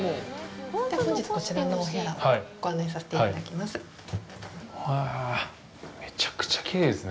本日はこちらのお部屋をご案内させていただきます。